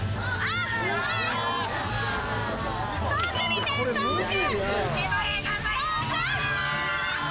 遠く見て、遠く！